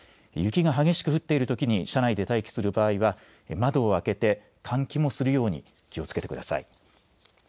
雪が激しく降っているときに車内で待機する場合は窓を開けて換気もするように気をつけてください。